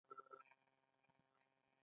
چین د نړیوالې سوداګرۍ مرکز دی.